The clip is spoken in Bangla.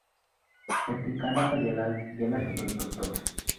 এটি কাডাপা জেলার জেলা সদর দপ্তর।